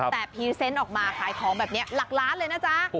แต่พรีเซนต์ออกมาขายของแบบนี้หลักล้านเลยนะจ๊ะ